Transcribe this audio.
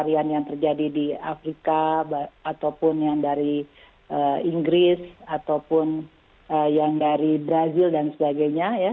varian yang terjadi di afrika ataupun yang dari inggris ataupun yang dari brazil dan sebagainya